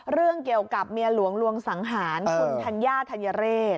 เรื่องเกี่ยวกับเมียหลวงลวงสังหารคุณธัญญาธัญเรศ